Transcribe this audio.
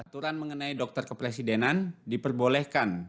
aturan mengenai dokter kepresidenan diperbolehkan